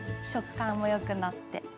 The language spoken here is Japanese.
食感もよくなって。